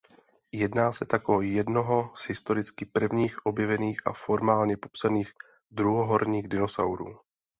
Jedná se tak o jednoho z historicky prvních objevených a formálně popsaných druhohorních dinosaurů.